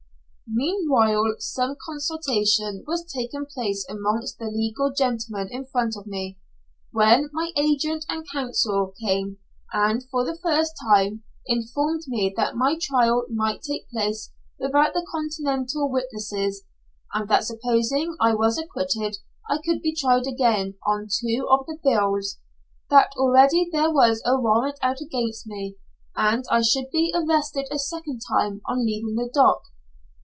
Meanwhile some consultation was taking place amongst the legal gentlemen in front of me, when my agent and counsel came and, for the first time, informed me that my trial might take place without the continental witnesses, and that supposing I was acquitted I could be tried again on two of the bills; that already there was a warrant out against me, and I should be arrested a second time on leaving the dock!